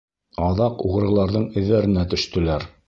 Аҙаҡ уғрыларҙың эҙҙәренә төштөләр.